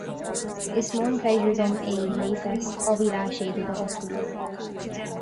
Is mór an pléisiúr dom é MayFest dhá mhíle a sé déag a oscailt